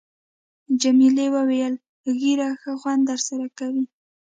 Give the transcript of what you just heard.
جميلې وويل:، ږیره ښه خوند در سره کوي.